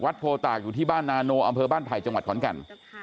โพตากอยู่ที่บ้านนาโนอำเภอบ้านไผ่จังหวัดขอนแก่น